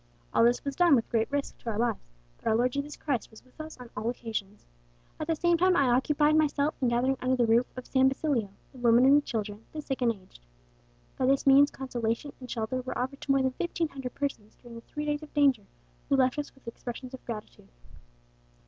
All this was done with great risk to our lives, but our Lord Jesus Christ was with us on all occasions. At the same time I occupied myself in gathering under the roof of San Basilio the women and children, the sick and aged. By this means consolation and shelter were offered to more than fifteen hundred persons during the three days of danger, who left us with expressions of gratitude."